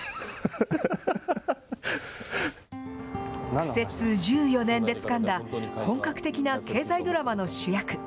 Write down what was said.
苦節１４年でつかんだ、本格的な経済ドラマの主役。